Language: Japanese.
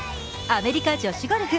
アメリカ女子ゴルフ。